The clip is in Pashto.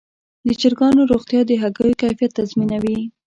د چرګانو روغتیا د هګیو کیفیت تضمینوي.